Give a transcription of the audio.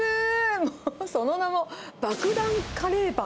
もう、その名も爆弾カレーパン。